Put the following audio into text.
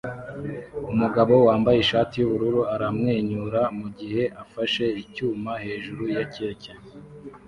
Umugabo wambaye ishati yubururu aramwenyura mugihe afashe icyuma hejuru ya keke